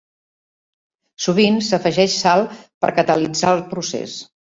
Sovint s'afegeix sal per catalitzar el procés.